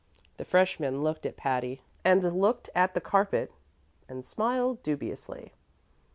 The freshman looked at Patty, and looked at the carpet, and smiled dubiously.